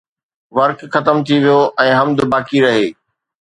ورق ختم ٿي ويو ۽ حمد باقي رهي